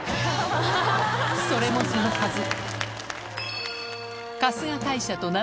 それもそのはず